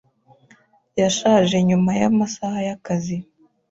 Yashaje nyuma yamasaha yakazi.